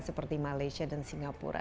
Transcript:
seperti malaysia dan singapura